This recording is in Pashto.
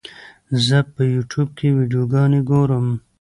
زه په یوټیوب کې ویډیوګانې ګورم.